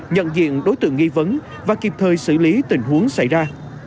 nhận diện đối tượng nghi vấn và kịp thời xử lý tình huống xảy ra